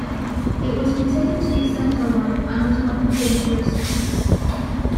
It was considered to be centre-right, and was not considered racist.